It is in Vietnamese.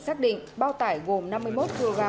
xác định bao tải gồm năm mươi một kg